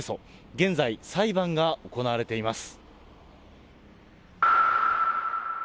現在、裁判が行われています。